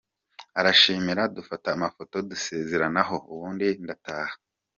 Aranshimira, dufata amafoto, dusezeranaho ubundi ndataha.